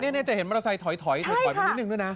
นี่จะเห็นมอเตอร์ไซค์ถอยถอยมานิดนึงด้วยนะ